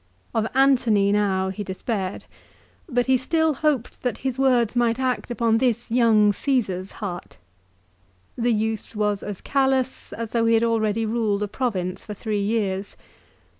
Of Antony now he despaired, but he still hoped that his words might act upon this young Caesar's heart. The youth was as callous as though he had already ruled a province for three years.